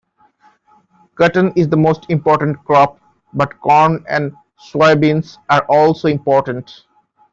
Cotton is the most common crop, but corn and soybeans are also important.